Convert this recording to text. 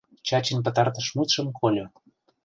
Чачин пытартыш мутшым кольо: